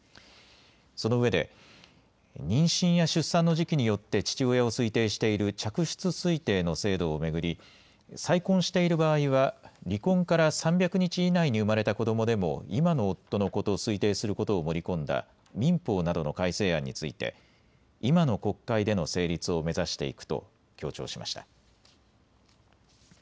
そのうえで、妊娠や出産の時期によって父親を推定している嫡出推定の制度を巡り再婚している場合は離婚から３００日以内に生まれた子どもでも今の夫の子と推定することを盛り込んだ民法などの改正案について今の国会での成立を目指していくと強調しました。